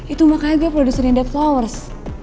itu makanya gue produsennya the flowers